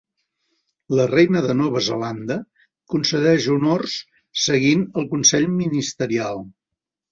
La Reina de Nova Zelanda concedeix honors seguint el consell ministerial.